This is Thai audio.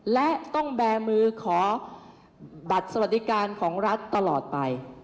และต้องแบร์มือขอบัตรสวัสดิการของรัฐตลอดไป